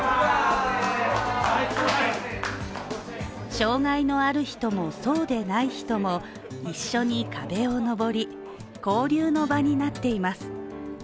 障害のある人も、そうでない人も一緒に壁を登り、交流の場になっています。